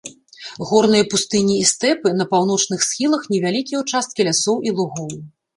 Горныя пустыні і стэпы, на паўночных схілах невялікія ўчасткі лясоў і лугоў.